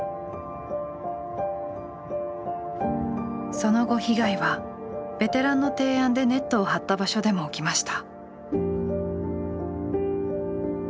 その後被害はベテランの提案でネットを張った場所でも起きました。